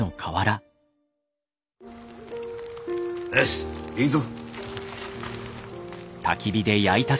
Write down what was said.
よしえいぞ。